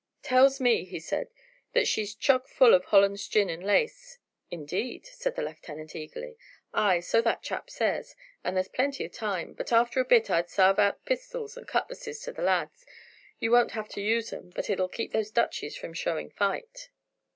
"Tells me," he said, "that she's choke full o' Hollands gin and lace." "Indeed!" said the lieutenant eagerly. "Ay, so that chap says. And there's plenty o' time, but after a bit I'd sarve out pistols and cutlasses to the lads; you won't have to use 'em, but it'll keep those Dutchies from showing fight."